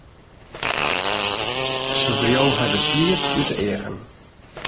Sy wreau har de sliep út de eagen.